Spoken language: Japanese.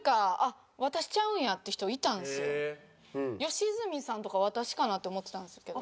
吉住さんとか私かなって思ってたんですけど。